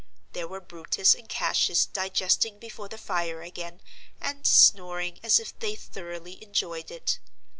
There were Brutus and Cassius digesting before the fire again, and snoring as if they thoroughly enjoyed it.